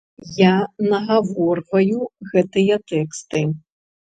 Я нагаворваю гэтыя тэксты.